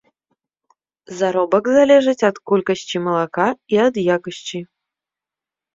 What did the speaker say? Заробак залежыць ад колькасці малака і ад якасці.